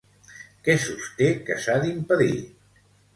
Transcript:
Què sosté que s'ha d'impedir?